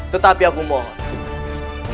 tetapi aku mohon